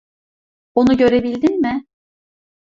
Onu görebildin mi?